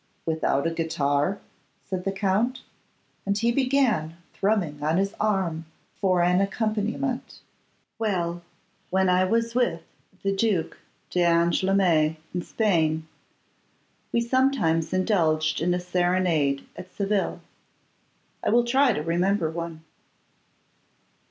'Without a guitar?' said the Count, and he began thrumming on his arm for an accompaniment. 'Well, when I was with the Duc d'Angoulême in Spain, we sometimes indulged in a serenade at Seville. I will try to remember one.